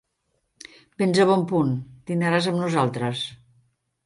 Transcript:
Vens a bon punt: dinaràs amb nosaltres.